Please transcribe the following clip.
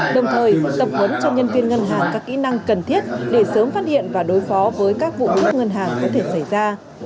đồng thời tập huấn cho nhân viên ngân hàng các kỹ năng cần thiết để sớm phát hiện và đối phó với các vụ cướp ngân hàng có thể xảy ra